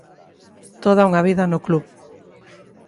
Toda unha vida no club.